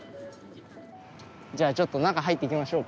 じゃあちょっと中、入っていきましょうか。